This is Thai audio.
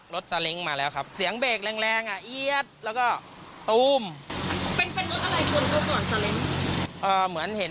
รถสลิงมาแล้วครับเสียงเบรกแรงอ่ะแล้วก็ตูมเหมือนเห็น